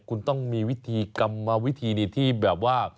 คุณต้องมีวิธีกรรมวิธีที่แบบว่า